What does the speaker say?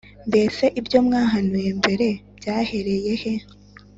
Mbese ibyo mwahanuye mbere byahereye he?